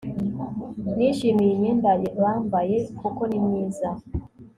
Nishimiye imyenda bambaye kuko ni myiza